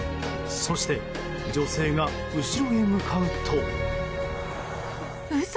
そして女性が後ろへ向かうと。